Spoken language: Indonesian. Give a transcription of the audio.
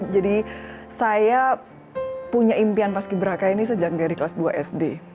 jadi saya punya impian paski beraka ini sejak dari kelas dua sd